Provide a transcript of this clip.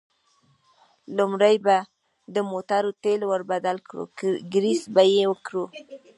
لومړی به د موټرو تېل ور بدل کړو، ګرېس به یې کړو.